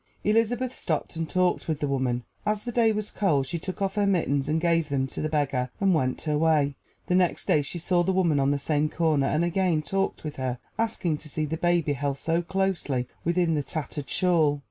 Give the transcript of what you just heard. Elizabeth stopped and talked with the woman. As the day was cold, she took off her mittens and gave them to the beggar, and went her way. The next day she again saw the woman on the same corner and again talked with her, asking to see the baby held so closely within the tattered shawl.